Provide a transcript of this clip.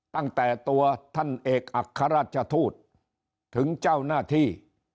ตั้งแต่ตัวท่านเอกอัครราชทูตถึงเจ้าหน้าที่